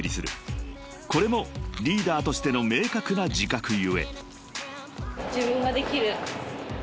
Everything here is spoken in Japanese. ［これもリーダーとしての明確な自覚故］